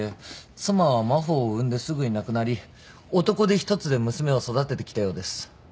妻は真帆を産んですぐに亡くなり男手一つで娘を育ててきたようです。